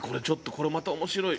これまた面白い。